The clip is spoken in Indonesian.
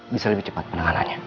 bisa lebih cepat penanganannya